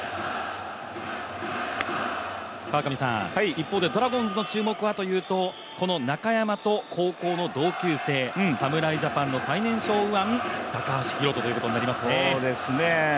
一方で、ドラゴンズの注目はというとこの中山と高校の同級生、侍ジャパンの最年少右腕高橋宏斗ということになりますね。